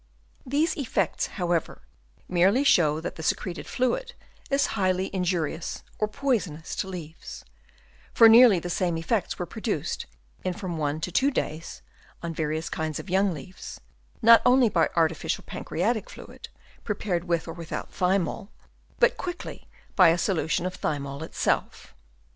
These effects, how ever, merely show that the secreted fluid is highly injurious or poisonous to leaves ; for nearly the same effects were produced in from one to two days on various kinds of young leaves, not only by artificial pancreatic fluid, prepared with or without thymol, but quickly by a solution of thymol by itself.